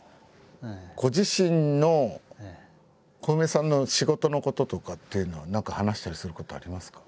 ご自身のコウメさんの仕事のこととかっていうのは何か話したりすることありますか？